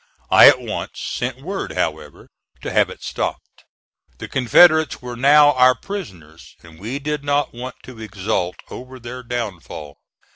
I at once sent word, however, to have it stopped. The Confederates were now our prisoners, and we did not want to exult over their downfall.